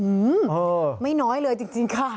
อื้อหือไม่น้อยเลยจริงค่ะ